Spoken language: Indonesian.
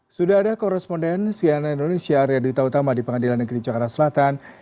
sudah ada koresponden seganan indonesia area dita utama di pengadilan negeri di jakarta selatan